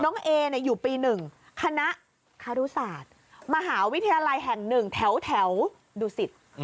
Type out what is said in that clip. น้องเอเนี่ยอยู่ปีหนึ่งคณะคารุศาสตร์มหาวิทยาลัยแห่งหนึ่งแถวดูสิทธิ์